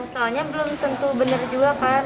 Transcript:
soalnya belum tentu benar juga kan